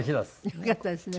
よかったですね。